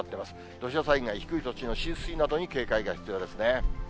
土砂災害、低い土地の浸水などに警戒が必要ですね。